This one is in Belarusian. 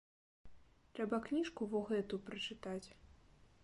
Трэба кніжку во гэту прачытаць.